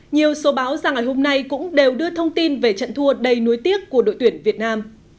nhiều số báo ra ngày hôm nay cũng đều đưa thông tin về trận thua đầy núi tiếc của đội tuyển việt nam